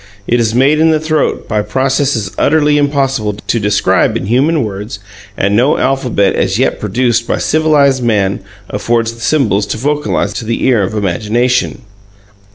It is made in the throat by processes utterly impossible to describe in human words, and no alphabet as yet produced by civilized man affords the symbols to vocalize it to the ear of imagination.